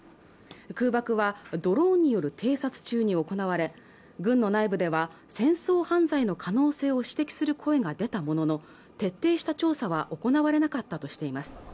空爆はドローンによる偵察中に行われ軍の内部では戦争犯罪の可能性を指摘する声が出たものの徹底した調査は行われなかったとしています